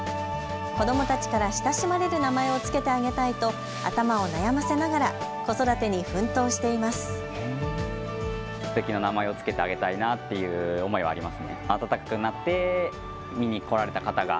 子どもたちから親しまれる名前を付けてあげたいと頭を悩ませながら子育てに奮闘しています。